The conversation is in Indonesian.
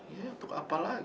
ya untuk apa lagi